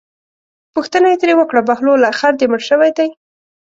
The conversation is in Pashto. پوښتنه یې ترې وکړه بهلوله خر دې مړ شوی دی.